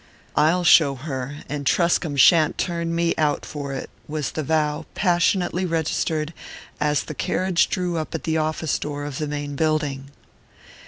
"I'll show her, and Truscomb shan't turn me out for it," was the vow he passionately registered as the carriage drew up at the office door of the main building.